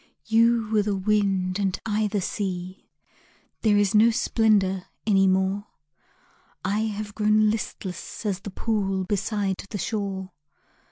You were the wind and I the sea There is no splendor any more, I have grown listless as the pool Beside the shore.